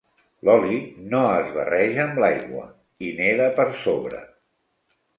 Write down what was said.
L'oli no es barreja amb l'aigua: hi neda per sobre.